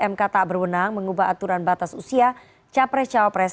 mk tak berwenang mengubah aturan batas usia capres cawapres